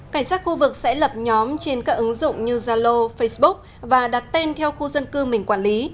cảnh sát khu vực sẽ lập nhóm trên các ứng dụng như zalo facebook và đặt tên theo khu dân cư mình quản lý